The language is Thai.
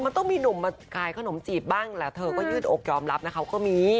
มันต้องมีหนุ่มมาขายขนมจีบบ้างแหละเธอก็ยืดอกยอมรับนะคะก็มี